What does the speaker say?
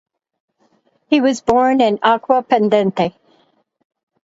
He was born in Acquapendente.